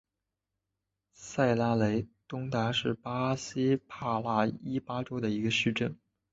塞拉雷东达是巴西帕拉伊巴州的一个市镇。